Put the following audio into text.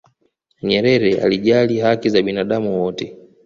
nyerere alijali haki za binadamu wote